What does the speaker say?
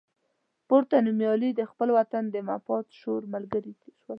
پورته نومیالي د خپل وطن د مفاد شعور ملګري شول.